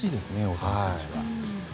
大谷選手は。